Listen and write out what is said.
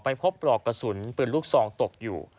พบปลอกกระสุนปืนลูกซองตกอยู่